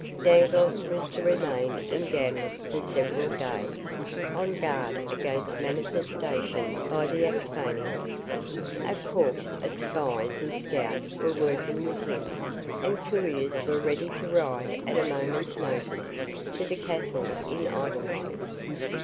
Dangloss was to remain in Ganlook for several days, on guard against manifestations by the Axphainians. A corps of spies and scouts was working with him, and couriers were ready to ride at a moment's notice to the castle in Edelweiss.